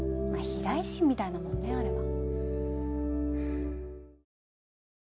まあ避雷針みたいなもんねあれは。